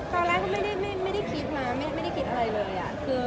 ตอนแรกก็ไม่ได้คิดนะไม่ได้คิดอะไรเลย